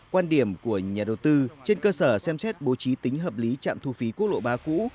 quan điểm của nhà đầu tư trên cơ sở xem xét bố trí tính hợp lý trạm thu phí quốc lộ ba cũ